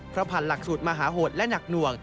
เพราะผ่านหลักสูตรมหาโหดและหนักหน่วง